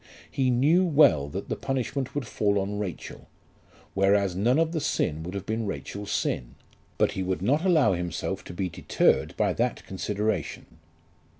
He knew well that the punishment would fall on Rachel, whereas none of the sin would have been Rachel's sin; but he would not allow himself to be deterred by that consideration.